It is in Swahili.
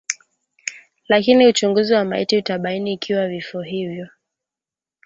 lakini uchunguzi wa maiti utabaini ikiwa vifo hivyo